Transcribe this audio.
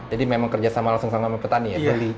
jadi memang kerja sama langsung sama petani ya